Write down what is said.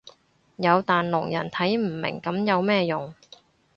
有但聾人睇唔明噉有咩用